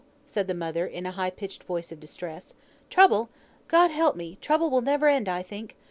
said the mother, in a high pitched voice of distress. "Trouble! God help me, trouble will never end, I think.